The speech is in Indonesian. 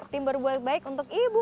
tim berbuat baik untuk ibu